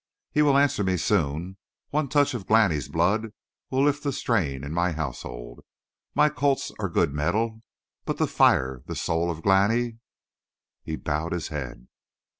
He will answer me soon; one touch of Glani's blood will lift the strain in my household. My colts are good mettle but the fire, the soul of Glani!" He bowed his head.